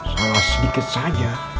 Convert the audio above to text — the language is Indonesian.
salah sedikit saja